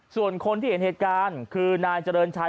ส่วนคนที่เห็นเหตุการณ์คือนายเจริญชัย